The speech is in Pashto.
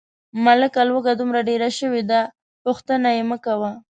ملکه لوږه دومره ډېره شوې ده، پوښتنه یې مکوه.